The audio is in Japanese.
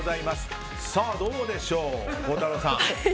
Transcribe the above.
どうでしょう、孝太郎さん。